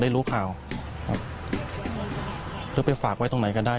เราไปฝากไว้กันอย่างไรได้